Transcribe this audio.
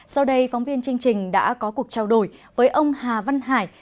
sau đây phóng viên chương trình đã có cuộc trao đổi với ông hà văn hải